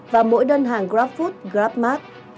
và mỗi đơn hàng grabfood grabmart